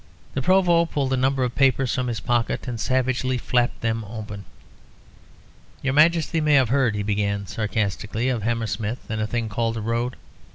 The Provost pulled a number of papers from his pocket and savagely flapped them open. "Your Majesty may have heard," he began, sarcastically, "of Hammersmith and a thing called a road.